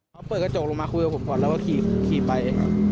เขาเปิดกระจกลงมาคุยกับผมก่อนแล้วก็ขี่ไป